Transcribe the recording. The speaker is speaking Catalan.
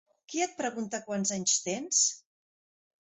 Qui et pregunta quants anys tens?